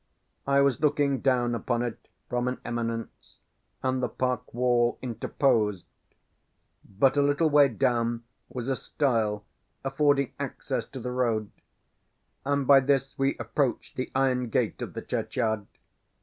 I was looking down upon it, from an eminence, and the park wall interposed; but a little way down was a stile affording access to the road, and by this we approached the iron gate of the churchyard.